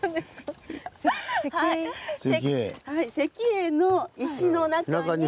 石英の石の中に。